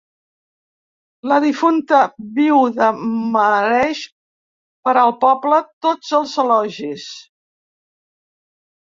La difunta viuda mereix per al poble tots els elogis.